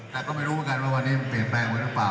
แต่ก็ไม่รู้กันว่าวันนี้เปลี่ยนแปลงไว้หรือเปล่า